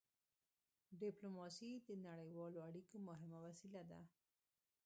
ډيپلوماسي د نړیوالو اړیکو مهمه وسيله ده.